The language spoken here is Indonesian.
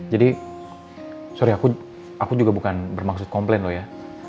jadi sorry aku juga bukan bermaksud komplain loh ya